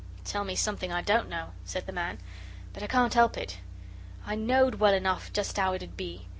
"Tell me something I don't know," said the man, "but I can't help it. I know'd well enough just how it 'ud be.